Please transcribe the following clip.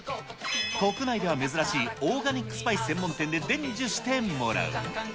国内では珍しいオーガニックスパイス専門店で伝授してもらう。